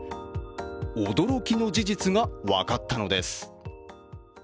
驚きの事実が分かったのです。